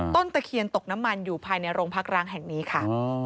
ตะเคียนตกน้ำมันอยู่ภายในโรงพักร้างแห่งนี้ค่ะ